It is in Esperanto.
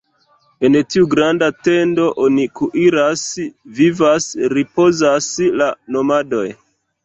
En tiu granda tendo oni kuiras, vivas, ripozas la nomadoj.